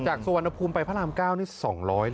จากสุวรรณภูมิไปพระรามเก้านี่๒๐๐เลยเหรอ